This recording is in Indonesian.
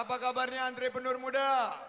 apa kabarnya antrepenur muda